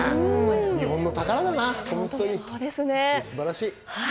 日本の宝だな、素晴らしい。